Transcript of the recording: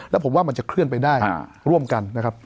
แล้วผมว่ามันจะเคลื่อนไปได้ร่วมกันนะครับ